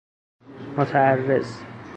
متعرض